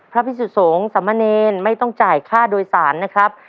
พิสุสงฆ์สมเนรไม่ต้องจ่ายค่าโดยสารนะครับ